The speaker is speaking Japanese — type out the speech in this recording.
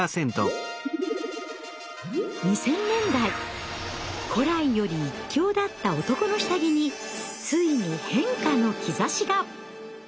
２０００年代古来より一強だった男の下着についに変化の兆しが。